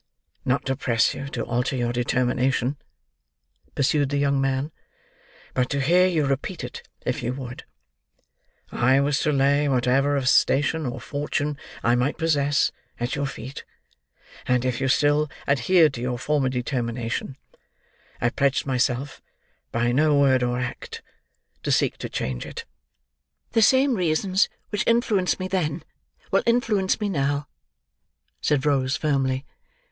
"Not to press you to alter your determination," pursued the young man, "but to hear you repeat it, if you would. I was to lay whatever of station or fortune I might possess at your feet, and if you still adhered to your former determination, I pledged myself, by no word or act, to seek to change it." "The same reasons which influenced me then, will influence me now," said Rose firmly.